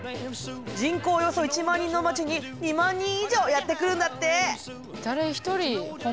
人口およそ１万人の町に２万人以上やって来るんだって。